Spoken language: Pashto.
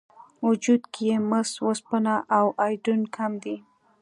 وجود کې یې مس، وسپنه او ایودین کم دي.